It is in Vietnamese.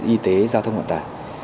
y tế giao thông quản tả